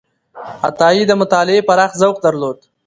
عطایي د مطالعې پراخ ذوق درلود.